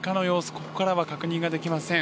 ここからは確認ができません。